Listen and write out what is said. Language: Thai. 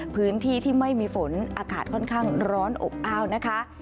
พื้นที่ที่ไม่มีฝนอากาศค่อนข้างร้อนอบอ้าวนะคะ